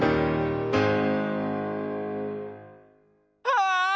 ああ！